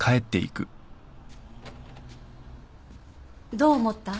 どう思った？